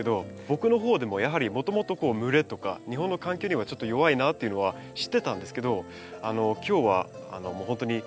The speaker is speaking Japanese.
僕の方でもやはりもともと蒸れとか日本の環境にはちょっと弱いなっていうのは知ってたんですけど今日はほんとに何ですかね